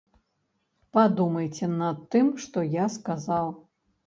Падумайце над тым, што я сказаў.